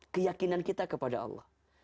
keyakinan kita kepada allah